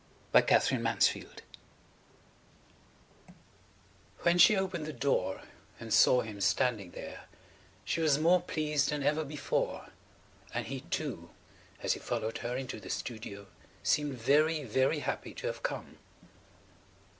[Page 145] PSYCHOLOGY WHEN she opened the door and saw him standing there she was more pleased than ever before, and he, too, as he followed her into the studio, seemed very very happy to have come.